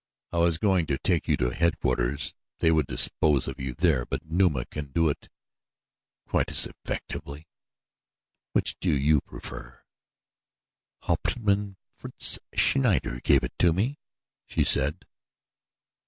"I was going to take you to headquarters. They would dispose of you there; but Numa can do it quite as effectively. Which do you prefer?" "Hauptmann Fritz Schneider gave it to me," she said.